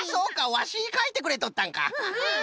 ワシかいてくれとったんか。